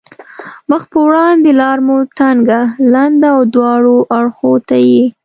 مخ په وړاندې لار مو تنګه، لنده او دواړو اړخو ته یې.